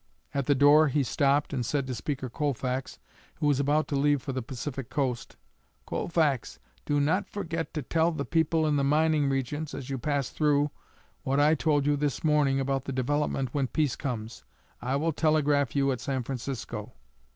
At the door he stopped and said to Speaker Colfax, who was about to leave for the Pacific coast, "Colfax, do not forget to tell the people in the mining regions, as you pass through, what I told you this morning about the development when peace comes. I will telegraph you at San Francisco."